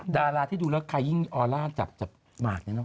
ดาราที่ดูแล้วใครยิ่งออร่าจับหมากเนี่ยเนอ